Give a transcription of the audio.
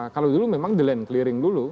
kalau dulu memang the land clearing dulu